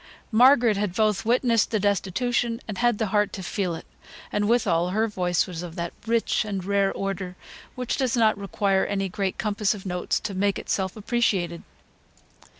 Margaret had both witnessed the destitution, and had the heart to feel it; and withal, her voice was of that rich and rare order, which does not require any great compass of notes to make itself appreciated.